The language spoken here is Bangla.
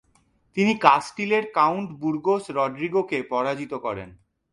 তিনি কাস্টিলের কাউন্ট বুরগোস রড্রিগোকে পরাজিত করেন।